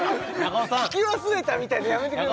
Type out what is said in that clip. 聞き忘れたみたいなのやめてください！